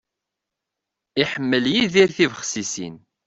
Iḥemmel Yidir tibexsisin.